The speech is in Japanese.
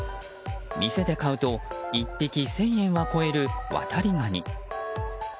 店で買うと１匹１０００円は超えるワタリガニ。